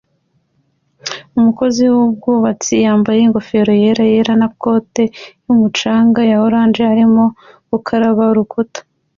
Umukozi wubwubatsi yambaye ingofero yera yera na kote yumucunga ya orange arimo gukaraba urukuta